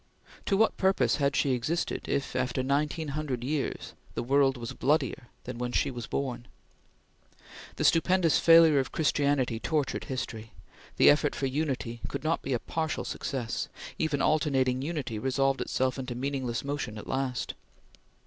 To what purpose had she existed, if, after nineteen hundred years, the world was bloodier than when she was born? The stupendous failure of Christianity tortured history. The effort for Unity could not be a partial success; even alternating Unity resolved itself into meaningless motion at last.